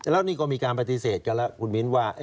แล้วนี่ก็มีการปฏิเสธกันแล้วคุณมิ้นว่า